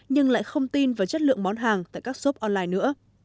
nhưng lại không tin vào chất lượng món hàng tại các shop online nữa